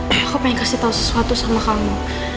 aku mau kasih tau sesuatu sama kamu